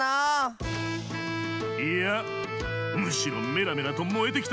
いやむしろメラメラともえてきた。